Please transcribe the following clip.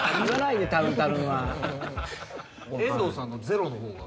遠藤さんのゼロの方が。